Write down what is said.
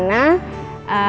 atau di mana